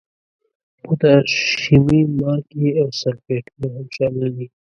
پوتاشیمي مالګې او سلفیټونه هم شامل دي.